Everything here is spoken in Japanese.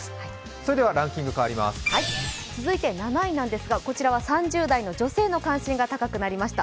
それではランキング変わります続いて７位なんですがこちらは３０代の女性の関心が高くなりました。